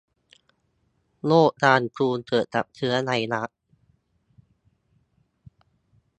โรคคางทูม เกิดจากเชื้อไวรัส